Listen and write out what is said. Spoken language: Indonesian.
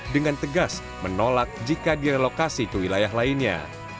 dengan tegas menolak jika direlokasi ke wilayah lainnya